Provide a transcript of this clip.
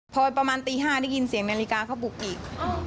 พอประมาณตี๕ได้ยินเสียงนาฬิกาเขาบุกอีก